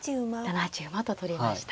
７八馬と取りました。